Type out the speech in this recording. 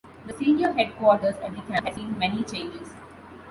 The senior headquarters at the camp has seen many changes.